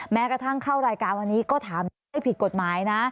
แม้กระทั่งเข้ารายการวันนี้ก็ถามผิดกฎหมายนะ